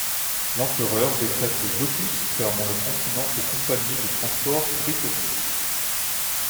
L'Empereur décrète le blocus fermant le continent aux compagnies de transports britanniques.